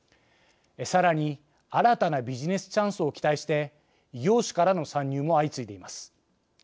さらに新たなビジネスチャンスを期待して異業種からの参入も相次いでいます。